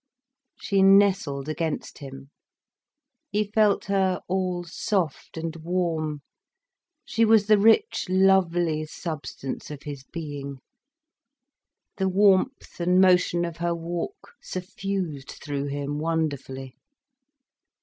She nestled against him. He felt her all soft and warm, she was the rich, lovely substance of his being. The warmth and motion of her walk suffused through him wonderfully.